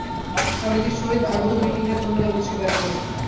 স্বামীজীর সহিত আগত দুইটি ইংরেজ মহিলাও উৎসবে আসিয়াছেন।